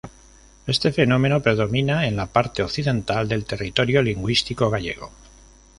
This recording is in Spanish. Este fenómeno predomina en la parte occidental del territorio lingüístico gallego.